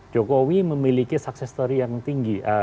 jokowi memiliki sukses story yang tinggi